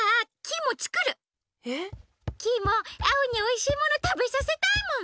えっ？キイもアオにおいしいものたべさせたいもん。